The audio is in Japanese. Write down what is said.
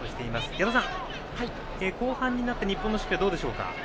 矢野さん、後半になって日本の守備はどうでしょうか？